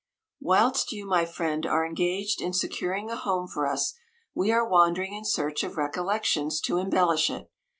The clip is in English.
Whilst you, my friend, are engaged in securing a home for us, we are wan dering in search of recollections to em bellish it.